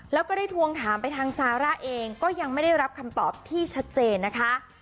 แล้วก็ได้ทวงถามไปทางซาร่าเองก็ยังไม่ได้รับคำตอบที่ชัดเจนนะคะ